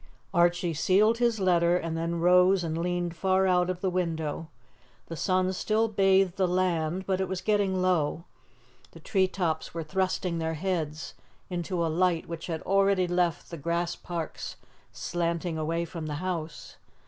Archie sealed his letter, and then rose and leaned far out of the window. The sun still bathed the land, but it was getting low; the tree tops were thrusting their heads into a light which had already left the grass parks slanting away from the house.